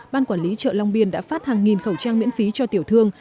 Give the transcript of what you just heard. ban quản lý chợ long biên đã phát hàng nghìn khẩu trang miễn phí cho tiểu thương